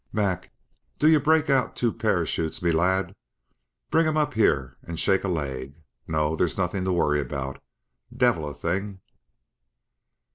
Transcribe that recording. "Mac do ye break out two parachutes, me lad! Bring 'em up here, and shake a leg! No, there's nothin' to worry about divil a thing!"